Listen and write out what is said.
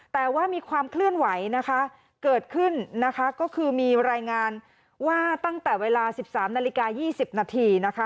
แต่ว่ามีความเคลื่อนไหวนะคะเกิดขึ้นนะคะก็คือมีรายงานว่าตั้งแต่เวลา๑๓นาฬิกา๒๐นาทีนะคะ